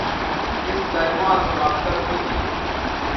اِس کلما سو مقصد او تھی